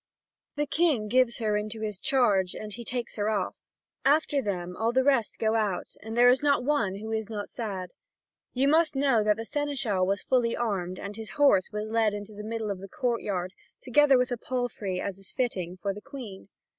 The King gives her into his charge, and he takes her off. After them all the rest go out, and there is not one who is not sad. You must know that the seneschal was fully armed, and his horse was led into the middle of the courtyard, together with a palfrey, as is fitting, for the Queen.